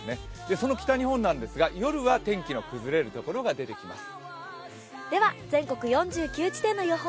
その北日本なんですが夜は天気の崩れるところが出てきます。